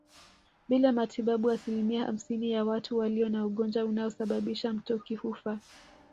Bila matibabu asilimia hamsini ya watu walio na ugonjwa unaosababisha mtoki hufa